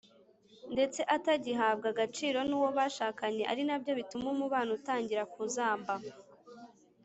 ndetse atagihabwa agaciro nuwo bashakanye ari nabyo bituma umubano utangira kuzamba.